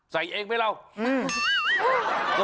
ใส่เองไหมเรา